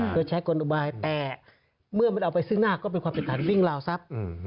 โดยใช้กลอุบายแต่เมื่อมันเอาไปซึ่งหน้าก็เป็นความผิดฐานวิ่งราวทรัพย์